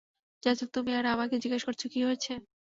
যাচ্ছো তুমি, আর আমাকে জিজ্ঞাস করছো কি হয়েছে?